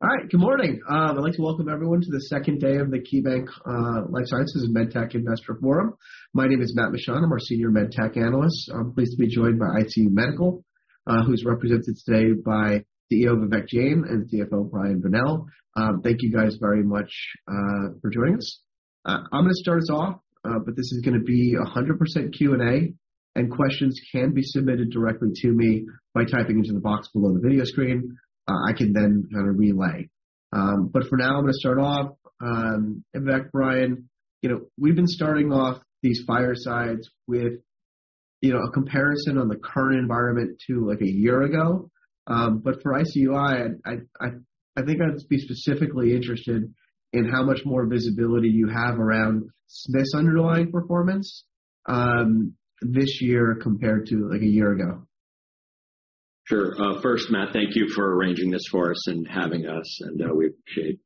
All right. Good morning. I'd like to welcome everyone to the second day of the KeyBanc Life Sciences & MedTech Investor Forum. My name is Matt Mishan. I'm our Senior MedTech Analyst. I'm pleased to be joined by ICU Medical, who's represented today by the CEO, Vivek Jain, and CFO, Brian Bonnell. Thank you guys very much for joining us. I'm gonna start us off. This is gonna be 100% Q&A, and questions can be submitted directly to me by typing into the box below the video screen. I can then kind of relay. For now, I'm gonna start off. Vivek, Brian, you know, we've been starting off these firesides with, you know, a comparison on the current environment to, like, a year ago. For ICUI, I think I'd just be specifically interested in how much more visibility you have around this underlying performance, this year, compared to, like, a year ago. Sure. First, Matt, thank you for arranging this for us and having us, and we appreciate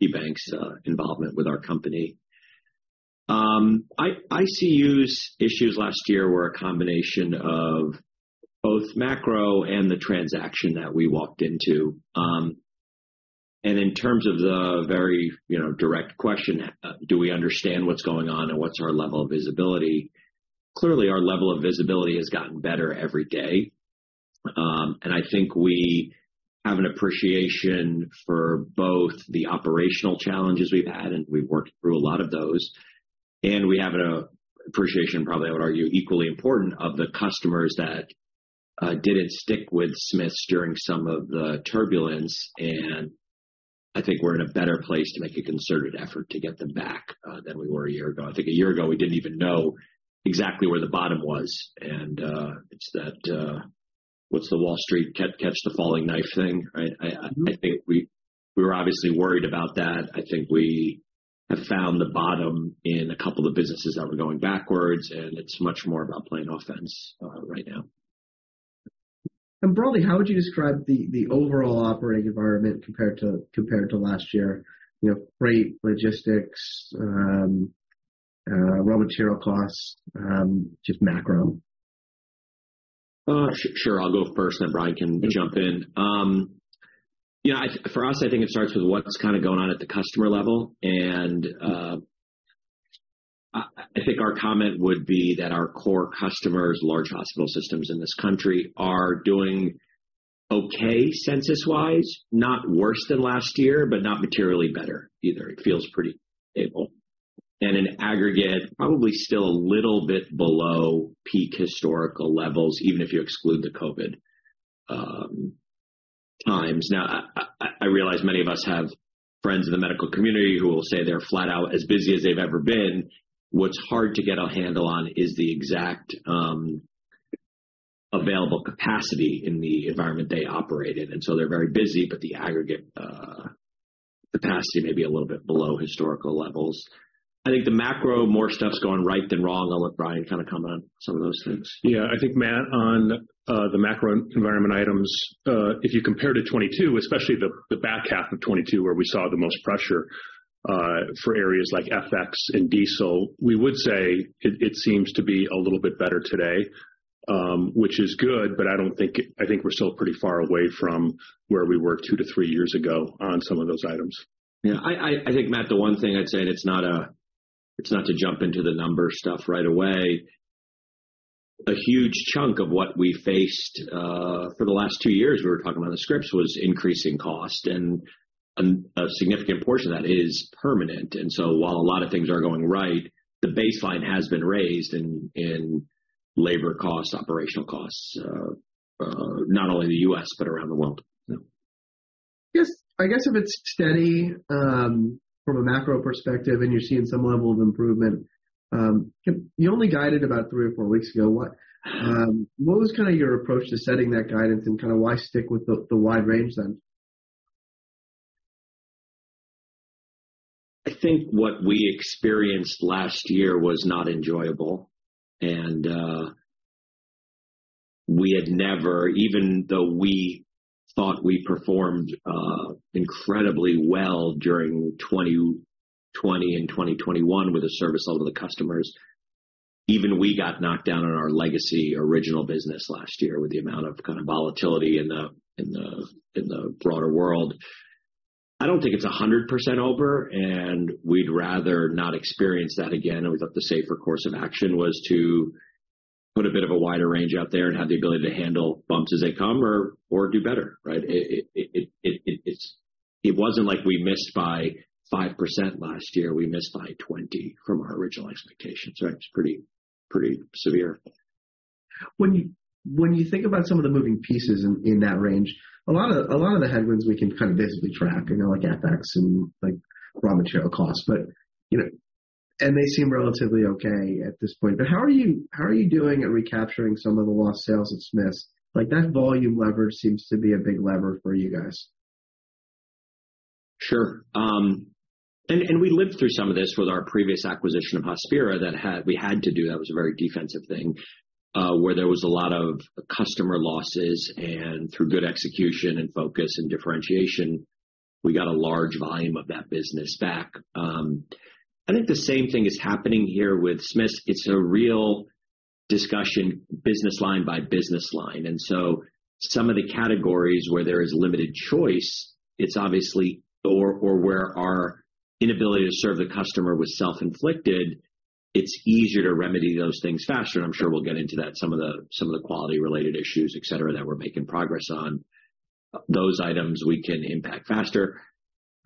KeyBanc's involvement with our company. ICU's issues last year were a combination of both macro and the transaction that we walked into. In terms of the very, you know, direct question, do we understand what's going on and what's our level of visibility? Clearly, our level of visibility has gotten better every day. I think we have an appreciation for both the operational challenges we've had, and we've worked through a lot of those, and we have an appreciation probably, I would argue, equally important of the customers that didn't stick with Smiths during some of the turbulence, and I think we're in a better place to make a concerted effort to get them back than we were a year ago. I think a year ago, we didn't even know exactly where the bottom was. Is that what the Wall Street catch the falling knife thing is, right? I think we were obviously worried about that. I think we have found the bottom in a couple of businesses that were going backwards, and it's much more about playing offense right now. Broadly, how would you describe the overall operating environment compared to last year, you know, freight, logistics, raw material costs, just macro? Sure. I'll go first, then Brian can jump in. You know, for us, I think it starts with what's kind of going on at the customer level. I think our comment would be that our core customers, large hospital systems in this country, are doing okay census-wise, not worse than last year, but not materially better either. It feels pretty stable. In aggregate, probably still a little bit below peak historical levels, even if you exclude the COVID times. Now, I realize many of us have friends in the medical community who will say they're flat out as busy as they've ever been. What's hard to get a handle on is the exact available capacity in the environment they operate in. They're very busy, but the aggregate capacity may be a little bit below historical levels. I think the macro, more stuff's going right than wrong. I'll let Brian kind of comment on some of those things. Yeah. I think, Matt, on the macro environment items, if you compare to 2022, especially the back half of 2022, where we saw the most pressure, for areas like FX and diesel, we would say it seems to be a little bit better today, which is good, but I think we're still pretty far away from where we were two to three years ago on some of those items. Yeah. I think, Matt, the one thing I'd say, and it's not, it's not to jump into the numbers stuff right away. A huge chunk of what we faced, for the last two years we were talking about the scripts, was increasing cost, and a significant portion of that is permanent. While a lot of things are going right, the baseline has been raised in labor costs, operational costs, not only in the U.S., but around the world. Yes. I guess if it's steady, from a macro perspective and you're seeing some level of improvement, You only guided about three or four weeks ago. What, what was kind of your approach to setting that guidance and kind of why stick with the wide range then? I think what we experienced last year was not enjoyable. We had never, even though we thought we performed incredibly well during 2020 and 2021 with a service level to customers, even we got knocked down on our legacy original business last year with the amount of kind of volatility in the broader world. I don't think it's 100% over. We'd rather not experience that again. We thought the safer course of action was to put a bit of a wider range out there and have the ability to handle bumps as they come or do better, right? It wasn't like we missed by 5% last year. We missed by 20 from our original expectations, right? It's pretty severe. When you think about some of the moving pieces in that range, a lot of the headwinds we can kind of visibly track, you know, like FX and, like, raw material costs. you know, and they seem relatively okay at this point. How are you doing at recapturing some of the lost sales at Smiths? Like, that volume lever seems to be a big lever for you guys. Sure. And we lived through some of this with our previous acquisition of Hospira we had to do. That was a very defensive thing, where there was a lot of customer losses, and through good execution and focus and differentiation we got a large volume of that business back. I think the same thing is happening here with Smiths. It's a real discussion business line by business line. Some of the categories where there is limited choice, it's obviously or where our inability to serve the customer was self-inflicted, it's easier to remedy those things faster, and I'm sure we'll get into that. Some of the quality-related issues, et cetera, that we're making progress on. Those items we can impact faster.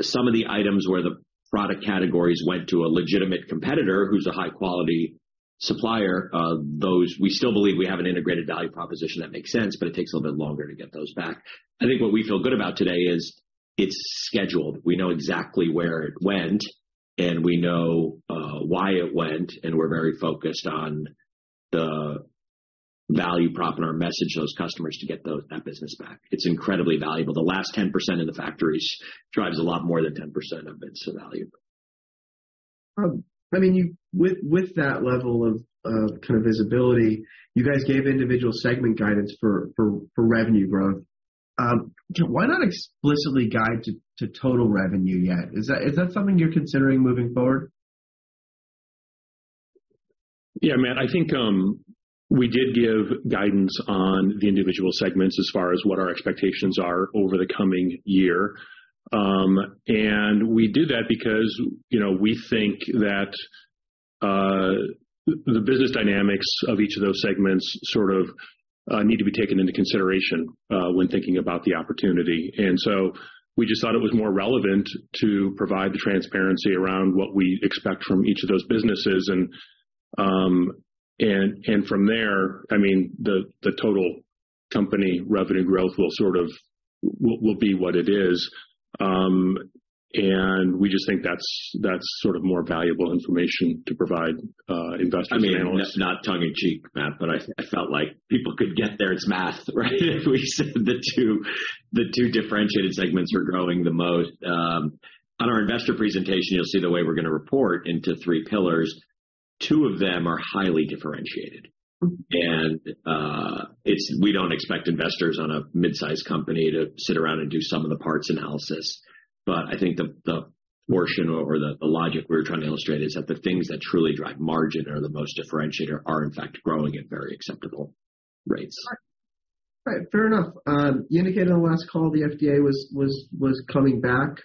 Some of the items where the product categories went to a legitimate competitor who's a high-quality supplier, those we still believe we have an integrated value proposition that makes sense, but it takes a little bit longer to get those back. I think what we feel good about today is it's scheduled. We know exactly where it went, and we know why it went, and we're very focused on the value prop in our message to those customers to get that business back. It's incredibly valuable. The last 10% in the factories drives a lot more than 10% of it, so valuable. I mean, with that level of kind of visibility, you guys gave individual segment guidance for revenue growth. Why not explicitly guide to total revenue yet? Is that something you're considering moving forward? Yeah, Matt, I think, we did give guidance on the individual segments as far as what our expectations are over the coming year. We did that because, you know, we think that, the business dynamics of each of those segments sort of, need to be taken into consideration, when thinking about the opportunity. We just thought it was more relevant to provide the transparency around what we expect from each of those businesses. From there, I mean, the total company revenue growth will be what it is. We just think that's sort of more valuable information to provide, investors and analysts. I mean, not tongue in cheek, Matt, but I felt like people could get there. It's math, right? If we said the two differentiated segments are growing the most. On our investor presentation, you'll see the way we're gonna report into three pillars. Two of them are highly differentiated. We don't expect investors on a mid-sized company to sit around and do some of the parts analysis. I think the portion or the logic we're trying to illustrate is that the things that truly drive margin are the most differentiator are in fact growing at very acceptable rates. Right. Fair enough. You indicated on the last call the FDA was coming back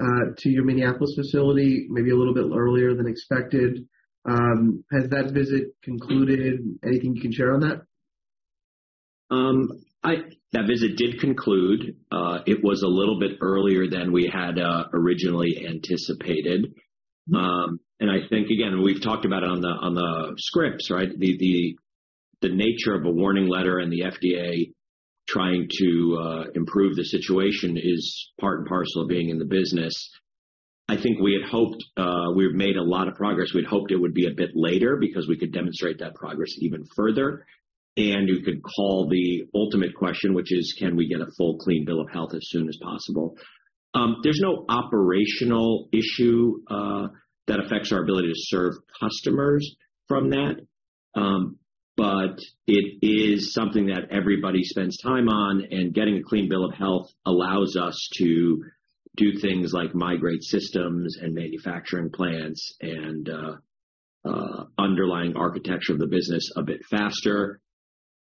to your Minneapolis facility maybe a little bit earlier than expected. Has that visit concluded? Anything you can share on that? That visit did conclude. It was a little bit earlier than we had originally anticipated. I think, again, we've talked about it on the scripts, right? The nature of a Warning Letter and the FDA trying to improve the situation is part and parcel of being in the business. I think we had hoped, we've made a lot of progress. We'd hoped it would be a bit later because we could demonstrate that progress even further. You could call the ultimate question, which is, can we get a full clean bill of health as soon as possible? There's no operational issue that affects our ability to serve customers from that. It is something that everybody spends time on, and getting a clean bill of health allows us to do things like migrate systems and manufacturing plants and underlying architecture of the business a bit faster.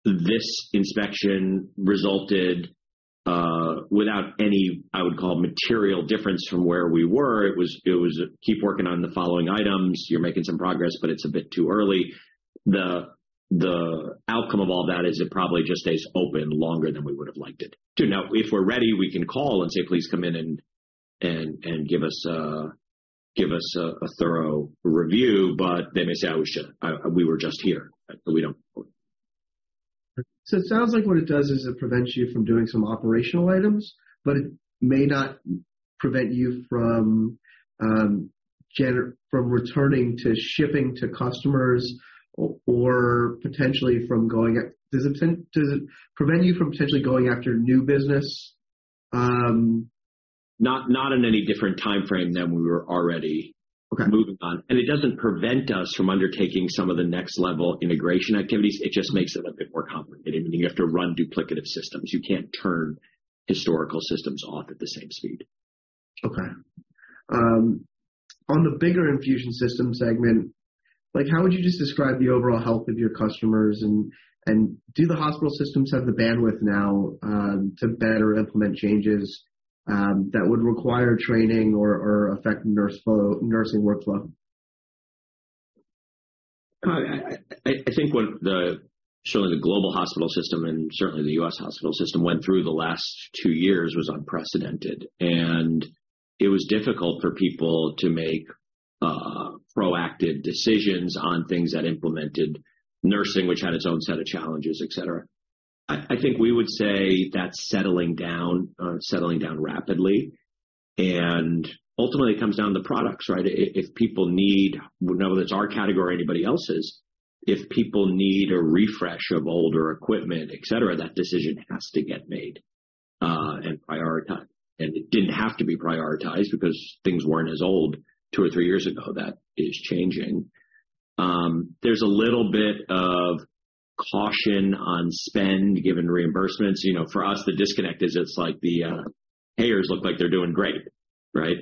This inspection resulted without any, I would call, material difference from where we were. It was keep working on the following items. You're making some progress, but it's a bit too early. The outcome of all that is it probably just stays open longer than we would have liked it to. Now, if we're ready, we can call and say, "Please come in and give us a thorough review," but they may say, "Oh, We were just here. We don't... It sounds like what it does is it prevents you from doing some operational items, but it may not prevent you from returning to shipping to customers or potentially from going after new business? Not in any different timeframe than we were already. Okay. Moving on. It doesn't prevent us from undertaking some of the next level integration activities. It just makes it a bit more complicated, and you have to run duplicative systems. You can't turn historical systems off at the same speed. Okay. On the bigger infusion system segment, how would you just describe the overall health of your customers? Do the hospital systems have the bandwidth now to better implement changes that would require training or affect nursing workflow? I think what the global hospital system and certainly the U.S. hospital system went through the last two years was unprecedented, and it was difficult for people to make proactive decisions on things that implemented nursing, which had its own set of challenges, et cetera. I think we would say that's settling down rapidly, and ultimately it comes down to the products, right? If people need, whether it's our category or anybody else's, if people need a refresh of older equipment, et cetera, that decision has to get made and prioritized. It didn't have to be prioritized because things weren't as old two or three years ago. That is changing. There's a little bit of caution on spending given reimbursements. You know, for us, the disconnect is that it's like the payers look like they're doing great, right?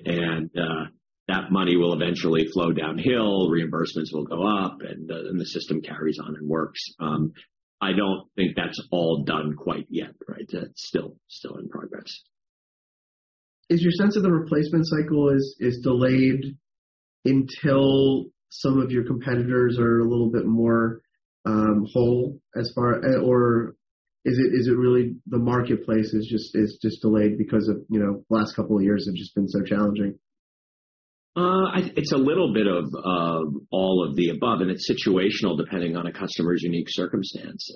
That money will eventually flow downhill, reimbursements will go up, and the system will carry on and works. I don't think that's all done quite yet, right? It's still in progress. Is your sense of the replacement cycle is delayed until some of your competitors are a little bit more whole, or is it really the marketplace is just delayed because of, you know, the last couple of years have just been so challenging? I think it's a little bit of all of the above, it's situational depending on a customer's unique circumstance.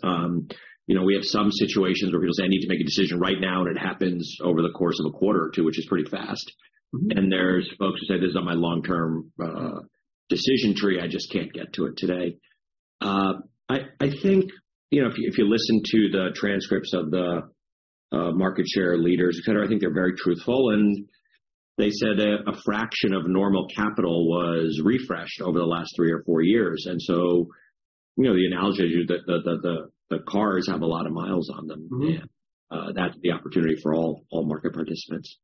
You know, we have some situations where people say, "I need to make a decision right now," it happens over the course of a quarter or two, which is pretty fast. There's folks who say, "This is on my long-term decision tree. I just can't get to it today." I think, you know, if you listen to the transcripts of the market share leaders, et cetera, I think they're very truthful. They said a fraction of normal capital was refreshed over the last three or four years. You know, the analogy that the cars have a lot of miles on them. Mm-hmm. That's the opportunity for all market participants.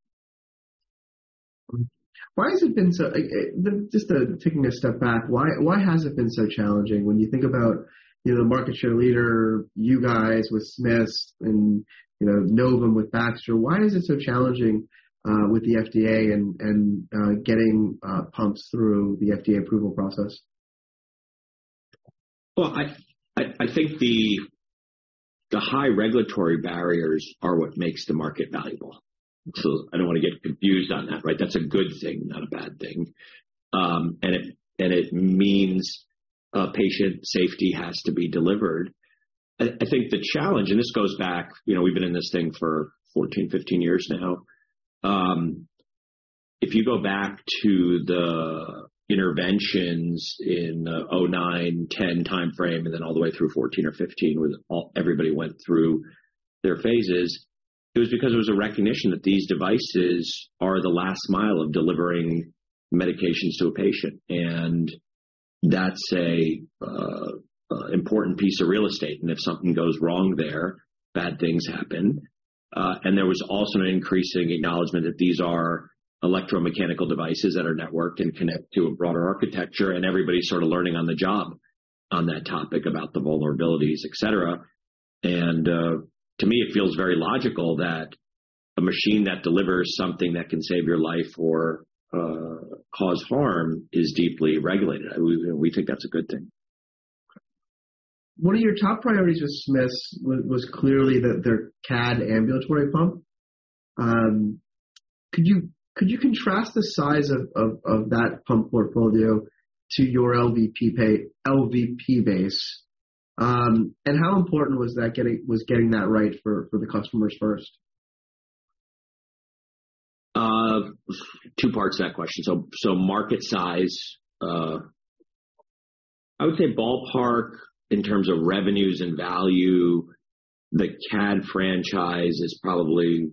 Just taking a step back, why has it been so challenging when you think about, you know, the market share leader, you guys with Smiths and, you know, Novum with Baxter, why is it so challenging with the FDA and getting pumps through the FDA approval process? Well, I think the high regulatory barriers are what makes the market valuable. I don't wanna get confused on that, right? That's a good thing, not a bad thing. It means a patient's safety has to be delivered. I think the challenge, and this goes back, you know, we've been in this thing for 14, 15 years now. If you go back to the interventions in 2009, 2010 timeframe, and then all the way through 2014 or 2015, when everybody went through their phases, it was because it was a recognition that these devices are the last mile of delivering medications to a patient. That's a important piece of real estate, and if something goes wrong there, bad things happen. There was also an increasing acknowledgement that these are electromechanical devices that are networked and connect to a broader architecture, and everybody's sort of learning on the job on that topic about the vulnerabilities, et cetera. To me, it feels very logical that a machine that delivers something that can save your life or, cause harm is deeply regulated. We think that's a good thing. One of your top priorities with Smiths was clearly their CADD ambulatory pump. Could you contrast the size of that pump portfolio to your LVP base? How important was that getting that right for the customers first? Two parts to that question. Market size, I would say ballpark in terms of revenues and value, the CADD franchise is probably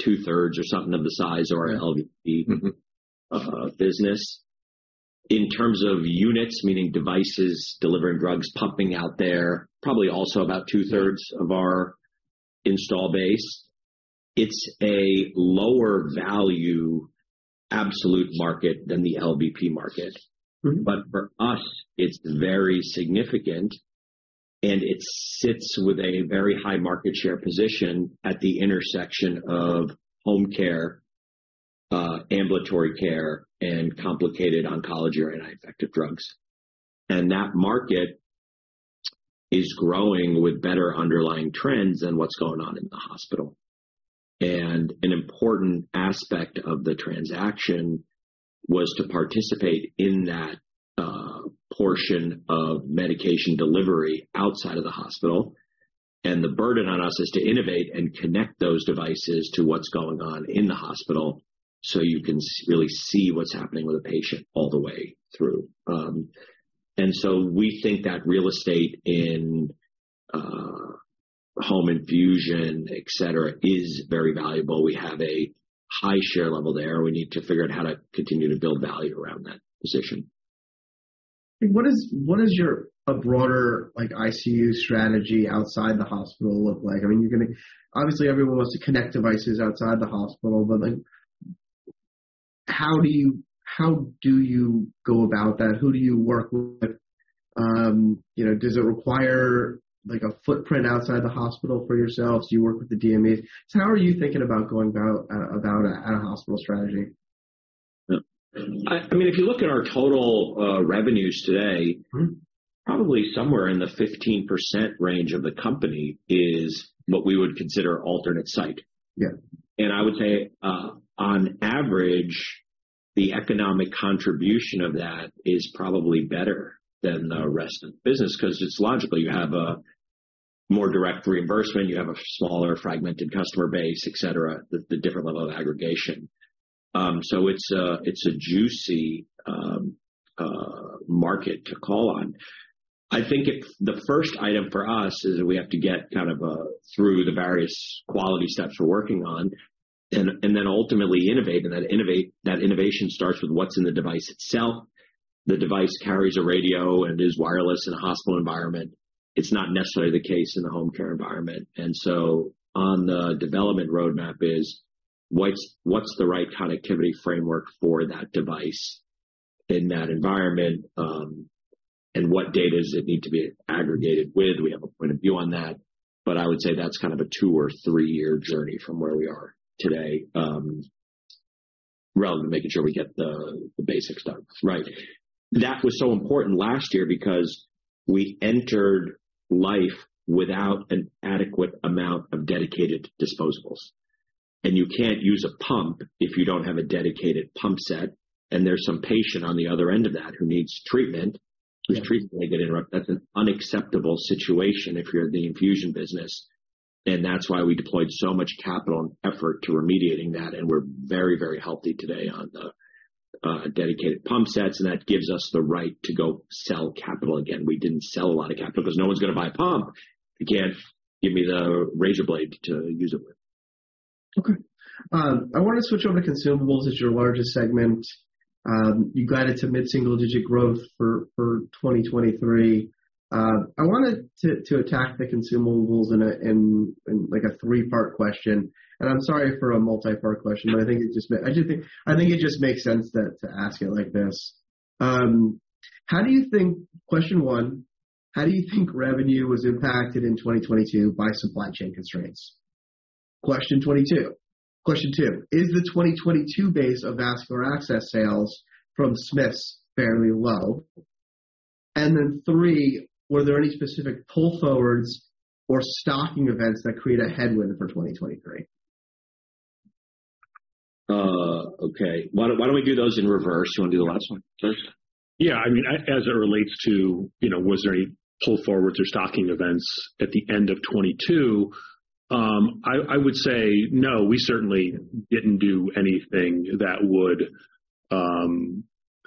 two-thirds or something of the size of our LVP. Mm-hmm... business. In terms of units, meaning devices delivering drugs, pumping out there, probably also about two-thirds of our install base. It's a lower value absolute market than the LVP market. Mm-hmm. For us, it's very significant, and it sits with a very high market share position at the intersection of home care, ambulatory care, and complicated oncology or anti-infective drugs. That market is growing with better underlying trends than what's going on in the hospital. An important aspect of the transaction was to participate in that portion of medication delivery outside of the hospital. The burden on us is to innovate and connect those devices to what's going on in the hospital, so you can really see what's happening with a patient all the way through. So we think that real estate in home infusion, et cetera, is very valuable. We have a high share level there. We need to figure out how to continue to build value around that position. What is your broader, like ICU strategy outside the hospital look like? I mean, obviously everyone wants to connect devices outside the hospital, but, like, how do you go about that? Who do you work with? you know, does it require like a footprint outside the hospital for yourselves? Do you work with the DMEs? How are you thinking about going about an out-of-hospital strategy? I mean, if you look at our total revenues today... Mm-hmm... probably somewhere in the 15% range of the company is what we would consider alternate site. Yeah. I would say, on average, the economic contribution of that is probably better than the rest of the business because it's logical. You have a more direct reimbursement, you have a smaller fragmented customer base, et cetera, the different level of aggregation. So it's a, it's a juicy market to call on. I think the first item for us is that we have to get kind of through the various quality steps we're working on. Then ultimately innovate, and that innovation starts with what's in the device itself. The device carries a radio and is wireless in a hospital environment. It's not necessarily the case in the home care environment. On the development roadmap is what's the right connectivity framework for that device in that environment, and what data does it need to be aggregated with? We have a point of view on that, but I would say that's kind of a two or three-year journey from where we are today, rather than making sure we get the basics done. Right. That was so important last year because we entered life without an adequate amount of dedicated disposables. You can't use a pump if you don't have a dedicated pump set, and there's some patient on the other end of that who needs treatment. Yeah. Whose treatment may get interrupted. That's an unacceptable situation if you're in the infusion business. That's why we deployed so much capital and effort to remediating that. We're very, very healthy today on the dedicated pump sets. That gives us the right to go sell capital again. We didn't sell a lot of capital because no one's gonna buy a pump if you can't give me the razor blade to use it with. Okay. I wanna switch over to consumables. It's your largest segment. You guided to mid-single-digit growth for 2023. I wanted to attack the consumables in like a three-part question. I'm sorry for a multi-part question, but I think it just makes sense to ask it like this. How do you think? Question one: How do you think revenue was impacted in 2022 by supply chain constraints? Question two: Is the 2022 base of Vascular Access sales from Smiths fairly low? Three, were there any specific pull forwards or stocking events that create a headwind for 2023? Okay. Why don't we do those in reverse? You wanna do the last one first? Yeah. I mean, as it relates to, you know, was there any pull forwards or stocking events at the end of 2022, I would say no. We certainly didn't do anything that would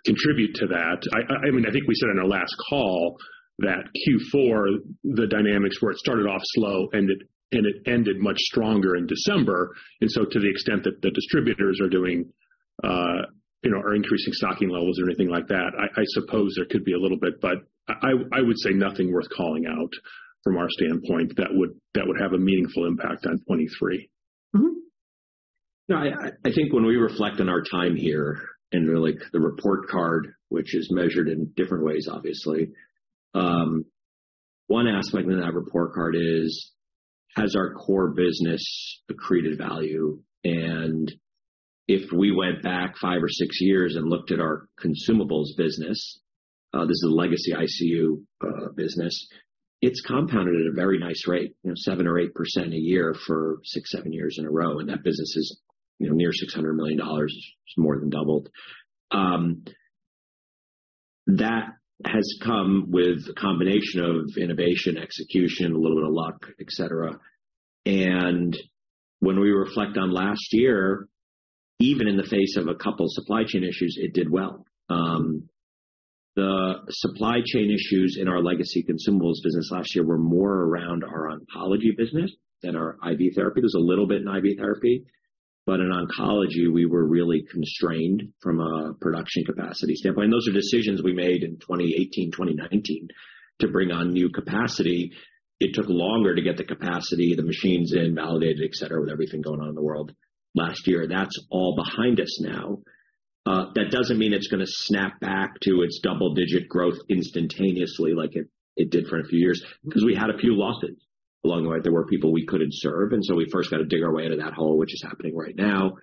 contribute to that. I mean, I think we said on our last call that Q4, the dynamics where it started slow ended, and it ended much stronger in December. To the extent that the distributors are doing, you know, are increasing stocking levels or anything like that, I suppose there could be a little bit. I would say nothing worth calling out from our standpoint that would have a meaningful impact on 2023. Mm-hmm. No, I think when we reflect on our time here and, like, the report card, which is measured in different ways, obviously, one aspect in that report card is, has our core business accreted value? If we went back five or six years and looked at our consumables business, this is a legacy ICU business; it's compounded at a very nice rate, you know, 7% or 8% a year for six, seven years in a row, and that business is, you know, near $600 million. It's more than doubled. That has come with a combination of innovation, execution, a little bit of luck, et cetera. When we reflect on last year, even in the face of a couple of supply chain issues, it did well. The supply chain issues in our legacy consumables business last year were more around our oncology business than our IV therapy. There's a little bit in IV therapy, but in oncology, we were really constrained from a production capacity standpoint. Those are decisions we made in 2018 and 2019 to bring on new capacity. It took longer to get the capacity, the machines in, validated, et cetera, with everything going on in the world last year. That's all behind us now. That doesn't mean it's gonna snap back to its double-digit growth instantaneously as it did for a few years, because we had a few losses along the way. There were people we couldn't serve. We first got to dig our way out of that hole, which is happening right now,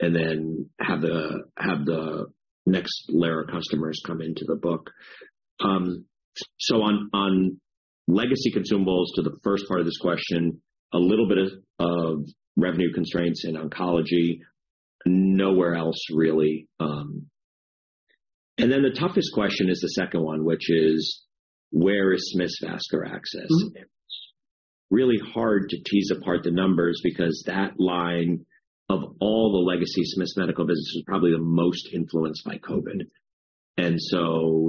and then have the next layer of customers come into the book. On legacy consumables to the first part of this question, a little bit of revenue constraints in oncology. Nowhere else really. Then the toughest question is the second one, which is, where is Smiths Vascular Access? Mm-hmm. Really hard to tease apart the numbers because that line of all the legacy Smiths Medical business is probably the most influenced by COVID.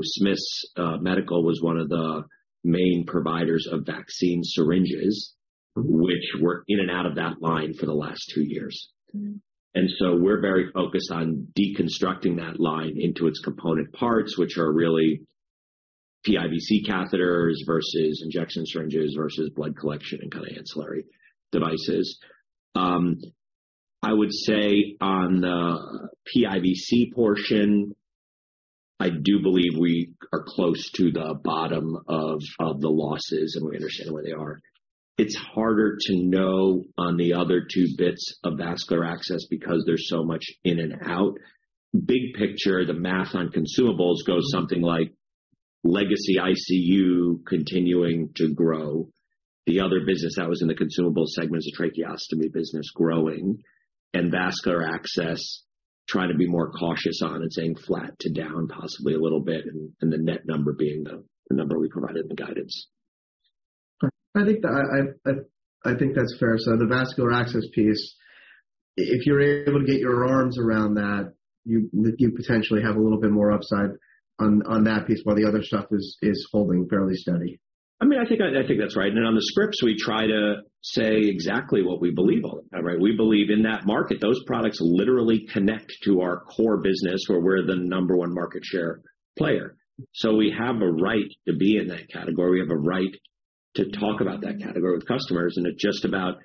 Smiths Medical was one of the main providers of vaccine syringes, which were in and out of that line for the last two years. Mm-hmm. ,We're very focused on deconstructing that line into its component parts, which are really PIVC catheters versus injection syringes versus blood collection and kind of ancillary devices. I would say on the PIVC portion, I do believe we are close to the bottom of the losses, and we understand where they are. It's harder to know about the other two bits of Vascular Access because there's so much in and out. Big picture, the math on consumables goes something like legacy ICU continuing to grow. The other business that was in the consumable segment is the tracheostomy business, growing and Vascular Access, trying to be more cautious and saying flat to down, possibly a little bit, and the net number being the number we provided in the guidance. I think that's fair. The Vascular Access piece, if you're able to get your arms around that, you potentially have a little bit more upside on that piece, while the other stuff is holding fairly steady. I mean, I think that's right. On the scripts, we try to say exactly what we believe on it, right? We believe in that market. Those products literally connect to our core business, where we're the number one market share player. We have a right to be in that category. We have a right to talk about that category with customers; it's just about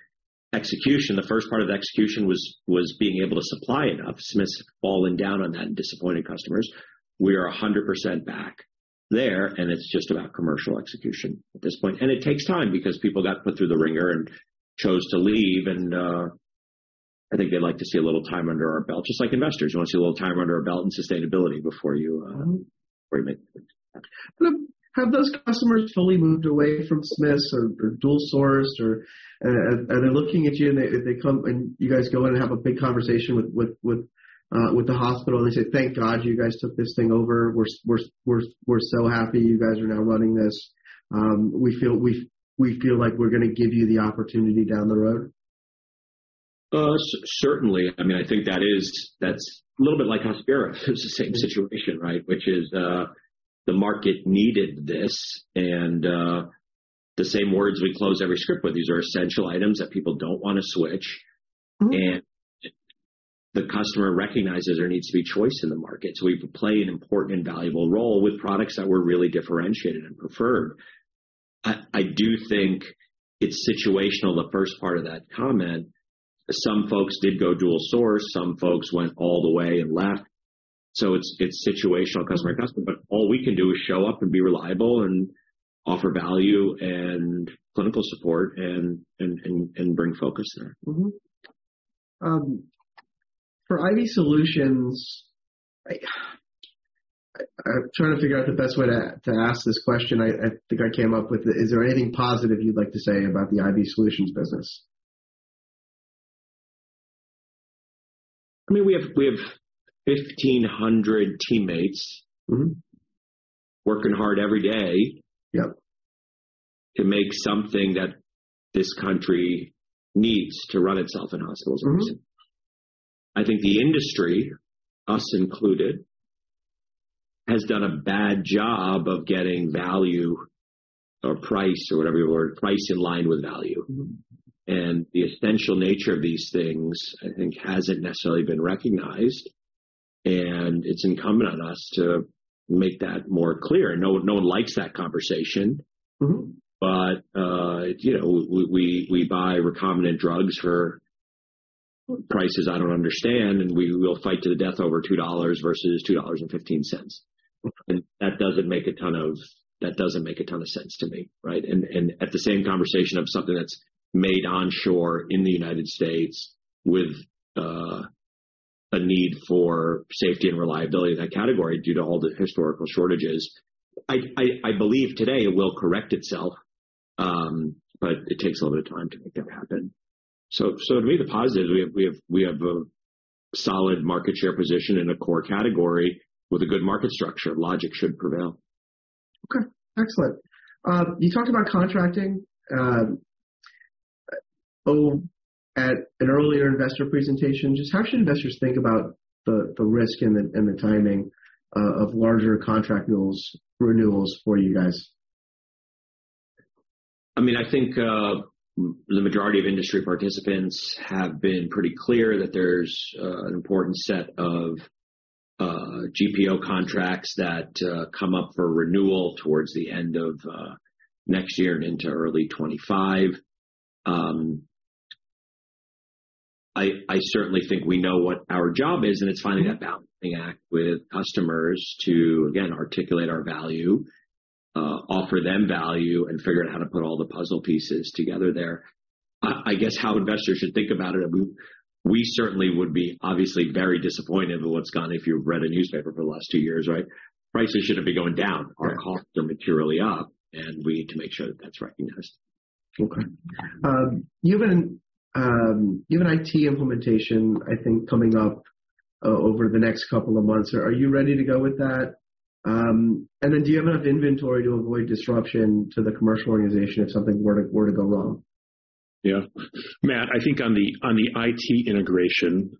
execution. The first part of execution was being able to supply enough. Smiths fallen down on that and disappointed customers. We are 100% back there, it's just about commercial execution at this point. It takes time because people got put through the wringer and chose to leave. I think they'd like to see a little time under our belt, just like investors. You want to see a little time under our belt and sustainability before you make. Have those customers fully moved away from Smiths or dual sourced? They're looking at you and they come and you guys go in and have a big conversation with the hospital, and they say, "Thank God you guys took this thing over. We're so happy you guys are now running this. We feel, we feel like we're gonna give you the opportunity down the road"? Certainly. I mean, I think that's a little bit like Hospira. It's the same situation, right? Which is, the market needed this. The same words we close every script with, these are essential items that people don't wanna switch. Mm-hmm. The customer recognizes there needs to be choice in the market. We play an important and valuable role with products that we're really differentiated and preferred. I do think it's situational, the first part of that comment. Some folks did go dual source, some folks went all the way and left. It's situational customer. All we can do is show up and be reliable and offer value and clinical support and bring focus there. For IV Solutions, I'm trying to figure out the best way to ask this question. I think I came up with it. Is there anything positive you'd like to say about the IV Solutions business? I mean, we have 1,500 teammates. Mm-hmm... working hard every day- Yep... to make something that this country needs to run itself in hospitals. Mm-hmm. I think the industry, us included, has done a bad job of getting value or price or whatever your word, price in line with value. Mm-hmm. The essential nature of these things, I think hasn't necessarily been recognized, and it's incumbent on us to make that more clear. No, no one likes that conversation. Mm-hmm. You know, we buy recombinant drugs for prices I don't understand, and we will fight to the death over $2 versus $2.15. Mm-hmm. That doesn't make a ton of sense to me, right? At the same conversation of something that's made onshore in the United States with a need for safety and reliability in that category due to all the historical shortages. I believe today it will correct itself, but it takes a little bit of time to make that happen. To me, the positive is we have a solid market share position in a core category with a good market structure. Logic should prevail. Okay, excellent. You talked about contracting, at an earlier investor presentation. Just how should investors think about the risk and the timing of larger contract renewals for you guys? I mean, I think the majority of industry participants have been pretty clear that there's an important set of GPO contracts that come up for renewal towards the end of next year and into early 25. I certainly think we know what our job is, and it's finding that balancing act with customers to, again, articulate our value, offer them value, and figure out how to put all the puzzle pieces together there. I guess how investors should think about it, I mean, we certainly would be obviously very disappointed with what's gone if you've read a newspaper for the last two years, right? Prices should have been going down. Our costs are materially up, and we need to make sure that that's recognized. Okay. You have an IT implementation, I think, coming up over the next couple of months. Are you ready to go with that? Do you have enough inventory to avoid disruption to the commercial organization if something were to go wrong? Yeah. Matt, I think on the IT integration,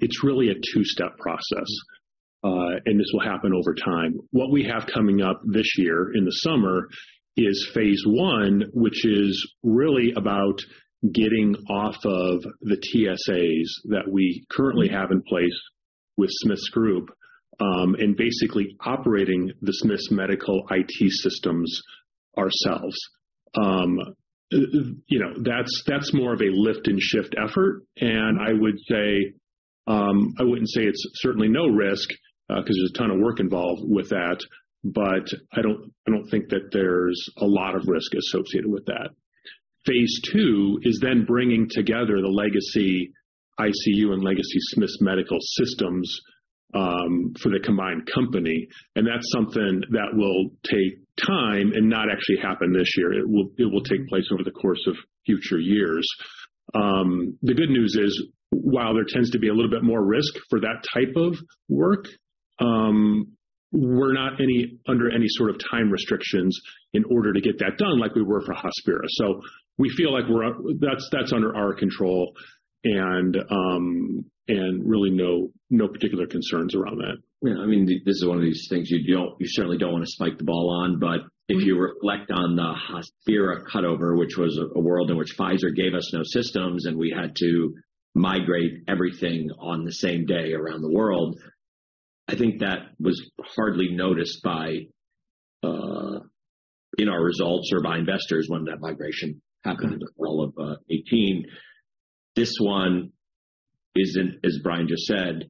it's really a two-step process. This will happen over time. What we have coming up this year in the summer is phase I, which is really about getting off of the TSAs that we currently have in place with Smiths Group, and basically operating the Smiths Medical IT systems ourselves. You know, that's more of a lift and shift effort. I would say, I wouldn't say it's certainly no risk, 'cause there's a ton of work involved with that, but I don't think that there's a lot of risk associated with that. Phase II is bringing together the legacy ICU and legacy Smiths Medical systems for the combined company. That's something that will take time and not actually happen this year. It will take place over the course of future years. The good news is, while there tends to be a little bit more risk for that type of work, we're not under any sort of time restrictions in order to get that done like we were for Hospira. We feel like that's under our control and really no particular concerns around that. Yeah. I mean, this is one of these things you certainly don't wanna spike the ball on, but if you reflect on the Hospira cutover, which was a world in which Pfizer gave us no systems, and we had to migrate everything on the same day around the world, I think that was hardly noticed by in our results or by investors when that migration happened in the fall of 2018. This one isn't, as Brian just said,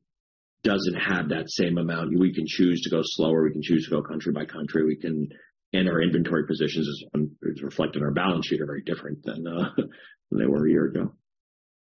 it doesn't have that same amount. We can choose to go slower. We can choose to go country by country. We can... Our inventory positions as reflected on our balance sheet are very different than they were a year ago.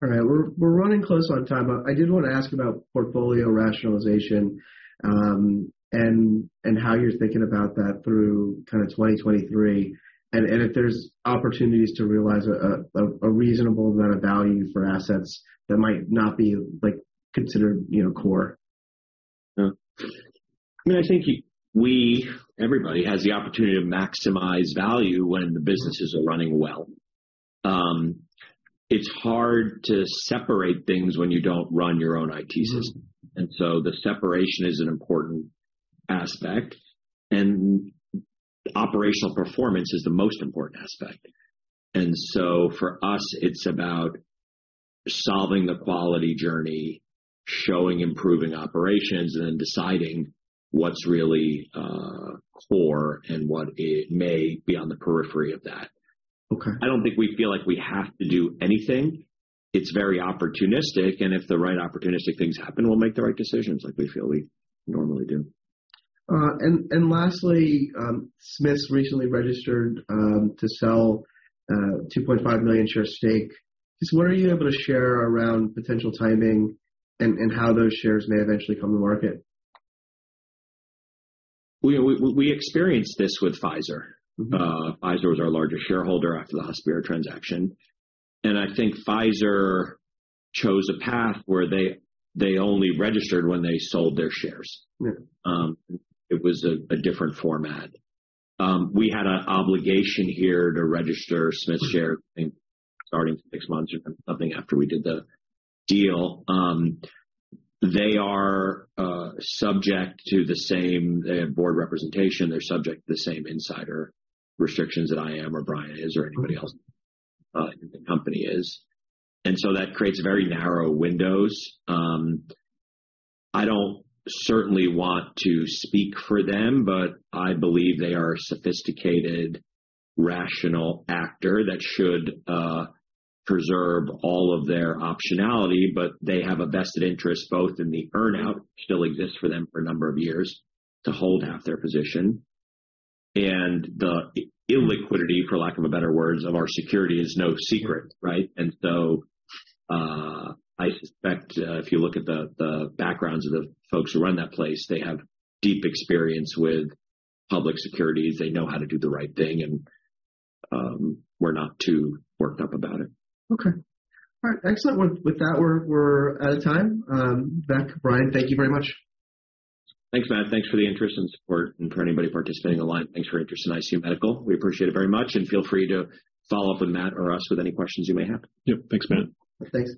All right. We're running close on time. I did wanna ask about portfolio rationalization, and how you're thinking about that through kinda 2023, and if there's opportunities to realize a reasonable amount of value for assets that might not be, like, considered, you know, core. Yeah. I mean, I think everybody has the opportunity to maximize value when the businesses are running well. It's hard to separate things when you don't run your own IT system. The separation is an important aspect, and operational performance is the most important aspect. For us, it's about solving the quality journey, showing improving operations, and then deciding what's really core and what may be on the periphery of that. Okay. I don't think we feel like we have to do anything. It's very opportunistic, and if the right opportunistic things happen, we'll make the right decisions like we feel we normally do. lastly, Smiths recently registered to sell 2.5 million share stake. Just what are you able to share around potential timing and how those shares may eventually come to market? We experienced this with Pfizer. Pfizer was our largest shareholder after the Hospira transaction. I think Pfizer chose a path where they only registered when they sold their shares. Yeah. It was a different format. We had a obligation here to register Smiths share, I think, starting six months or something after we did the deal. They are subject to the same board representation. They're subject to the same insider restrictions that I am or Brian is or anybody else in the company is. That creates very narrow windows. I don't certainly want to speak for them, but I believe they are a sophisticated, rational actor that should preserve all of their optionality. They have a vested interest both in the earn-out still exists for them for a number of years to hold half their position. The illiquidity, for lack of a better words, of our security is no secret, right? I suspect, if you look at the backgrounds of the folks who run that place, they have deep experience with public securities. They know how to do the right thing. We're not too worked up about it. Okay. All right. Excellent. With that, we're out of time. Vivek, Brian, thank you very much. Thanks, Matt. Thanks for the interest and support and for anybody participating online. Thanks for your interest in ICU Medical. We appreciate it very much. Feel free to follow up with Matt or us with any questions you may have. Yep. Thanks, Matt. Thanks.